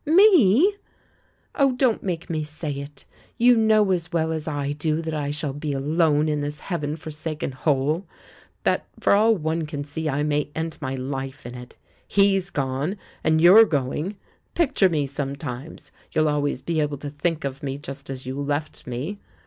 "Me?" "Oh! don't make me say it! You know as well as I do that I shall be alone in this Heaven forsaken hole — that, for all one can see, I may end my life in it. He's gone, and you're going. Picture me sometimes — you'll always be able to think of me just as you left me.